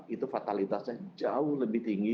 itu fatalitasnya jauh lebih tinggi